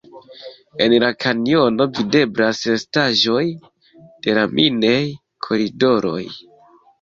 En la kanjono videblas restaĵoj de la minej-koridoroj.